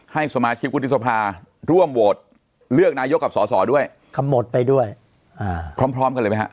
ให้สมาชิกวุฒิษภาร่วมโหวตเลือกนายกกับส่อด้วยหมดไปด้วยพร้อมกันเลยไหมฮะ